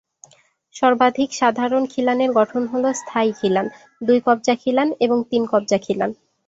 সর্বাধিক সাধারণ খিলানের গঠন হল স্থায়ী খিলান, দুই-কবজা খিলান, এবং তিন-কবজা খিলান।